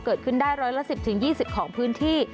เกิดขึ้นได้ร้อยละ๑๐๒๐ของพื้นที่